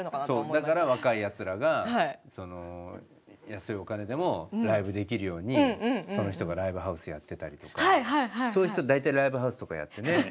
そうだから若いやつらが安いお金でもライブできるようにその人がライブハウスやってたりとかそういう人大体ライブハウスとかやってね。